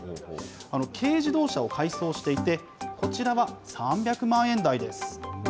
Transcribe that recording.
軽自動車を改装していて、こちらは３００万円台です。